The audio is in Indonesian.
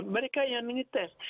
mereka yang mengetes